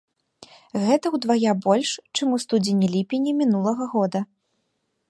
Гэта ўдвая больш, чым у студзені-ліпені мінулага года.